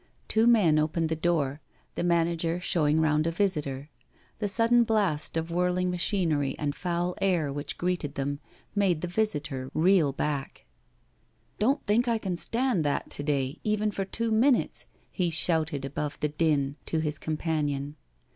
Two men opened the door — the manager show ing round a visitor. The sudden blast of whirling machinery and foul air which greeted them made the visitor reel back, " Don*t think I can stand that to day even for two minutes," he shouted above the din to his companion.